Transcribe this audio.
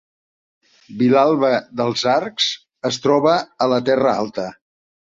Vilalba dels Arcs es troba a la Terra Alta